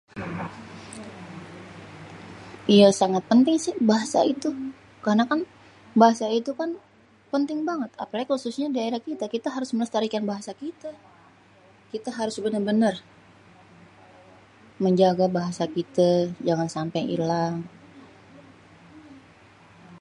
Iya sangat penting sih basaha itu. Karena kan bahasa itu kan penting banget, apalagi khususnya daerah kite. Kite harus melestarikan bahasa kite. Kite harus bener-bener menjaga bahasa kite, jangan sampé ilang.